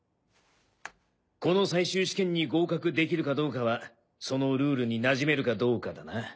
この最終試験に合格できるかどうかはそのルールになじめるかどうかだな。